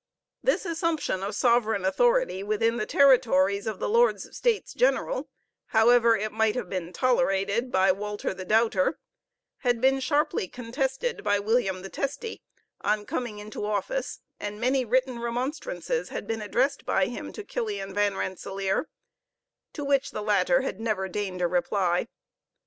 This assumption of sovereign authority within the territories of the Lords States General, however it might have been tolerated by Walter the Doubter, had been sharply contested by William the Testy, on coming into office and many written remonstrances had been addressed by him to Killian Van Rensellaer, to which the latter never deigned a reply.